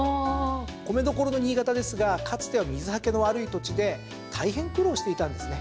米どころの新潟ですがかつては水はけの悪い土地で大変苦労していたんですね。